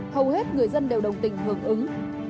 hầu hết người dân đều đồng tình hợp ứng